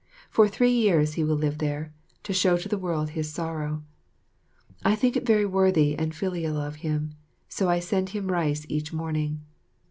For three years he will live there, to show to the world his sorrow. I think it very worthy and filial of him, so I send him rice each morning.